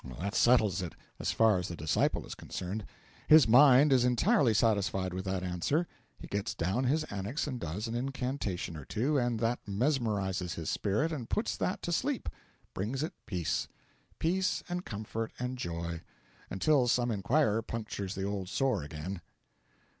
That settles it as far as the disciple is concerned. His Mind is entirely satisfied with that answer; he gets down his Annex and does an incantation or two, and that mesmerises his spirit and puts that to sleep brings it peace. Peace and comfort and joy, until some inquirer punctures the old sore again.